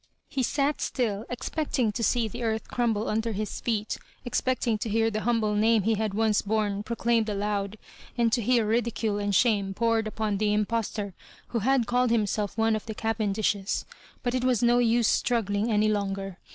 He sat still, expecting to see the earth crumble under his fee<^ expecting to hear the humble name he had .once borne proclaimed aloud, and to hear ridicule and shame poured upon the impostor who had called himself one of the Cavendishea But it was no use strug gling any longer.